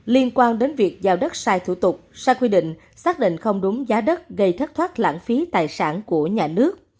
liên quan đến việc giao đất sai thủ tục sai quy định xác định không đúng giá đất gây thất thoát lãng phí tài sản của nhà nước